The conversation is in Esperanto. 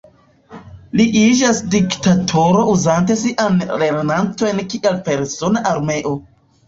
Li iĝas diktatoro uzante siajn lernantojn kiel persona armeo.